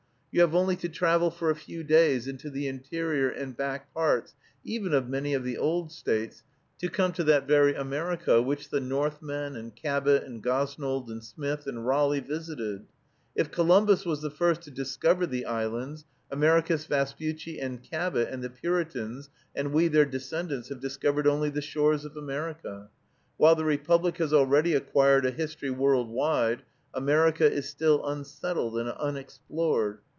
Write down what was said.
You have only to travel for a few days into the interior and back parts even of many of the old States, to come to that very America which the Northmen, and Cabot, and Gosnold, and Smith, and Raleigh visited. If Columbus was the first to discover the islands, Americus Vespucius and Cabot, and the Puritans, and we their descendants, have discovered only the shores of America. While the Republic has already acquired a history world wide, America is still unsettled and unexplored.